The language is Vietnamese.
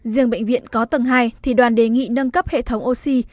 riêng bệnh viện có tầng hai thì đoàn đề nghị nâng cấp hệ thống oxy